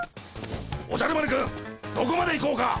おじゃる丸くんどこまで行こうか！